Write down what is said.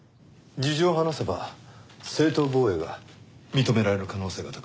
事情を話せば正当防衛が認められる可能性が高い。